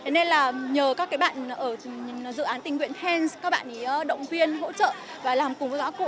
nên là nhờ các bạn ở dự án tình nguyện hen các bạn ý động viên hỗ trợ và làm cùng với các cô